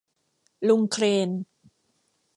ลุงเครน